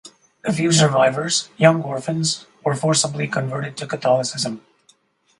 The few survivors-young orphans-were forcibly converted to Catholicism.